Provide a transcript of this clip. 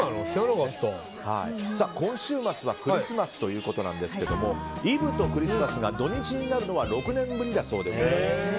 今週末はクリスマスということですがイブとクリスマスが土日になるのは６年ぶりのことだそうです。